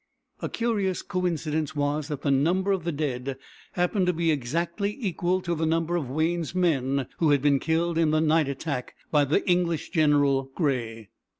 A curious coincidence was that the number of the dead happened to be exactly equal to the number of Wayne's men who had been killed in the night attack by the English general, Grey.